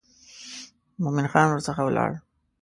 مومن خان ورڅخه ولاړ.